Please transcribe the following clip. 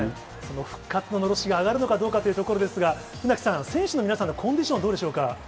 その復活ののろしが上がるのかどうかというところですが、船木さん、選手の皆さんのコンディション、どうでしょうか。